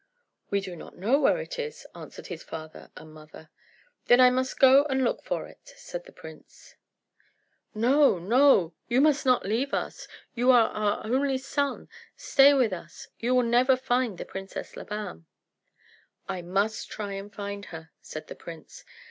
"We do not know where it is," answered his father and mother. "Then I must go and look for it," said the prince. "No, no," they said, "you must not leave us. You are our only son. Stay with us. You will never find the Princess Labam." "I must try and find her," said the prince.